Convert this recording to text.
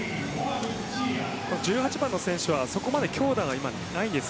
１８番の選手はそこまで強打がないんです。